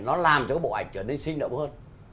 nó làm cho cái bộ ảnh trở nên sinh động hơn